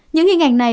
những hình ảnh này